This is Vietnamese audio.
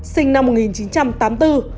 sinh năm một nghìn chín trăm tám mươi bốn